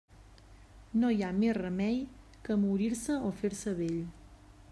No hi ha més remei que morir-se o fer-se vell.